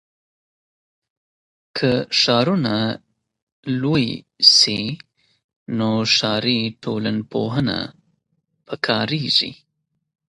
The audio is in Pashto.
که ښارونه لوی سي نو ښاري ټولنپوهنه پکاریږي.